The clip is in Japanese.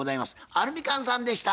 アルミカンさんでした。